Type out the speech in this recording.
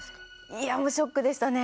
いやもうショックでしたね。